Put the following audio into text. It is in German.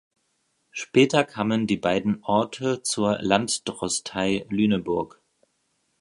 Später kamen die beiden Orte zur Landdrostei Lüneburg.